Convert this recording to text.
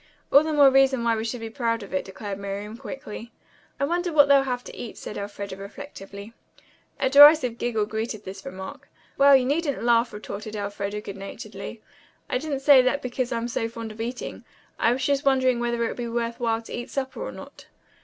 "All the more reason why we should be proud of it," declared Miriam quickly. "I wonder what they'll have to eat," said Elfreda reflectively. A derisive giggle greeted this remark. "Well, you needn't laugh," retorted Elfreda good naturedly. "I didn't say that because I'm so fond of eating. I was just wondering whether it would be worth while to eat supper or not."